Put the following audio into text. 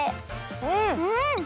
うん！